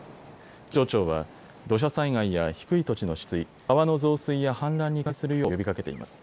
気象庁は土砂災害や低い土地の浸水、川の増水や氾濫に警戒するよう呼びかけています。